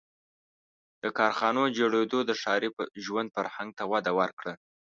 • د کارخانو جوړېدو د ښاري ژوند فرهنګ ته وده ورکړه.